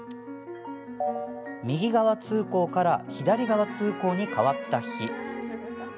右側通行から左側通行に変わった日。